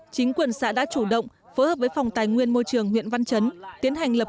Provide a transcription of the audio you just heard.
chính quyền xã đã chủ động phối hợp với phòng tài nguyên môi trường huyện văn chấn tiến hành lập